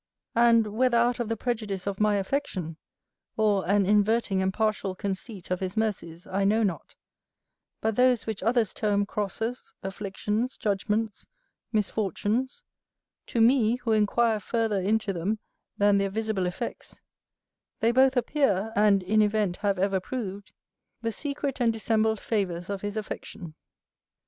And, whether out of the prejudice of my affection, or an inverting and partial conceit of his mercies, I know not, but those which others term crosses, afflictions, judgments, misfortunes, to me, who inquire further into them than their visible effects, they both appear, and in event have ever proved, the secret and dissembled favours of his affection.